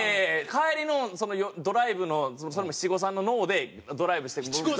帰りのドライブのそれも七五三の脳でドライブして。